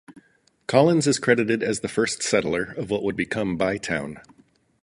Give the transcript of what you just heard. Collins is credited as the first settler of what would become Bytown.